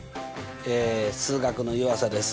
数学の湯浅です。